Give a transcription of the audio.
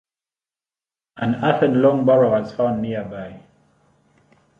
An earthen long barrow was found nearby.